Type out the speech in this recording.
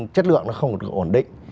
chất lượng nó không được ổn định